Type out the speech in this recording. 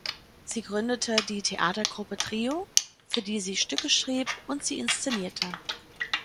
Sie gründete die "Theatergruppe Trio", für die sie Stücke schrieb und sie inszenierte.